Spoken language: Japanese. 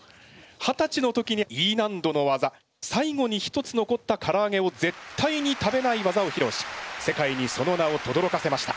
はたちの時にＥ難度の技「最後に１つ残ったからあげをぜったいに食べない技」をひろうし世界にその名をとどろかせました。